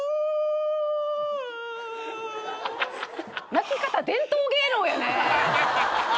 泣き方伝統芸能やね。